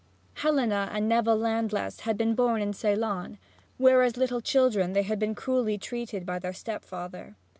Helena and Neville Landless had been born in Ceylon, where as little children they had been cruelly treated by their stepfather.